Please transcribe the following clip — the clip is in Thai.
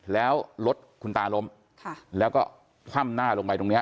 แล้วรถคุณตาล้มแล้วก็คว่ำหน้าลงไปตรงเนี้ย